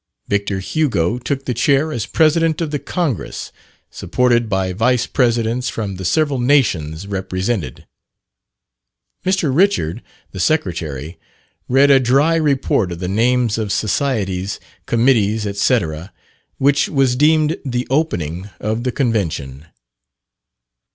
Victor Hugo took the chair as President of the Congress, supported by Vice presidents from the several nations represented. Mr. Richard, the Secretary, read a dry report of the names of societies, committees, &c., which was deemed the opening of the Convention.